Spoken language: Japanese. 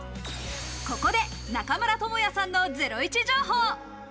ここで中村倫也さんのゼロイチ情報。